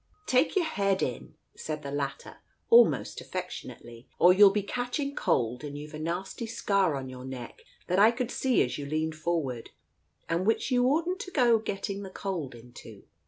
"Take your head in," said the latter, almost affection ately, "or you'll be catching cold, and you've a nasty scar on your neck that I could see as you leaned forward, and which you oughtn't to go getting the cold into."